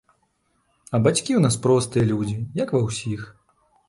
А бацькі ў нас простыя людзі, як ва ўсіх.